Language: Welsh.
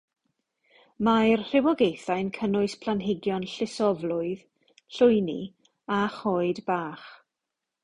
Mae'r rhywogaethau'n cynnwys planhigion llusoflwydd, llwyni a choed bach.